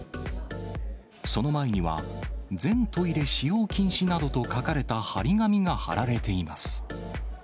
その前には、全トイレ使用禁止などと書かれた貼り紙が貼られています。